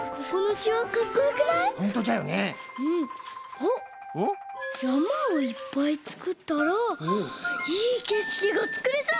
おっやまをいっぱいつくったらいいけしきがつくれそう！